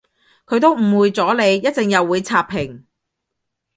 佢都誤會咗你，一陣又會刷屏